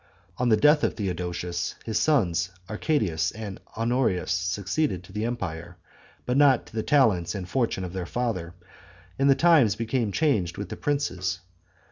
On the death of Theodosius, his sons Arcadius and Honorius, succeeded to the empire, but not to the talents and fortune of their father; and the times became changed with the princes.